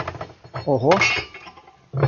Ого!